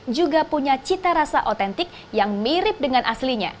juga punya cita rasa otentik yang mirip dengan aslinya